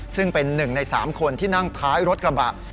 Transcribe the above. ซึ่งเป็น๑ใน๓คนที่นั่งท้ายรถกระบะ